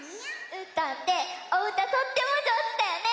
うーたんっておうたとってもじょうずだよね！